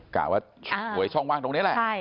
กล่าวว่าโหยช่องว่างตรงนี้แหละ